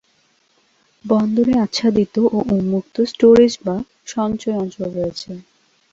বন্দরে আচ্ছাদিত ও উন্মুক্ত স্টোরেজ বা সঞ্চয় অঞ্চল রয়েছে।